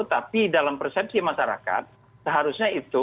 tapi dalam persepsi masyarakat seharusnya itu